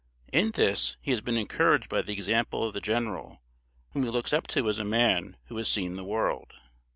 In this he has been encouraged by the example of the general, whom he looks up to as a man who has seen the world.